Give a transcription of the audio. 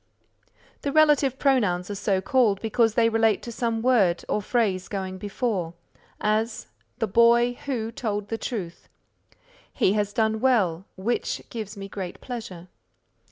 The Relative Pronouns are so called because they relate to some word or phrase going before; as, "The boy who told the truth;" "He has done well, which gives me great pleasure."